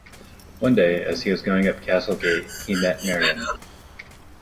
One day, as he was going up Castle Gate, he met Miriam.